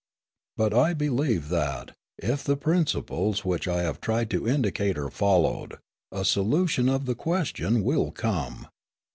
But I believe that, if the principles which I have tried to indicate are followed, a solution of the question will come.